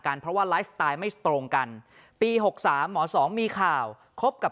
เพราะว่าไลฟ์สไตล์ไม่ตรงกันปี๖๓หมอสองมีข่าวคบกับ